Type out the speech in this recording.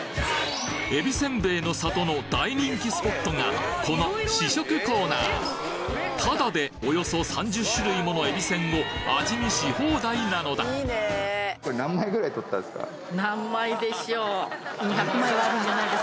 えびせんべいの里の大人気スポットがこの試食コーナータダでおよそ３０種類ものえびせんを味見し放題なのだ何枚でしょう。